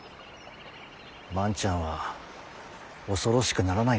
万ちゃんは恐ろしくならないのかね？